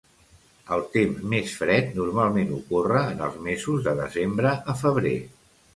El temps més fred normalment ocorre en els mesos de desembre a febrer.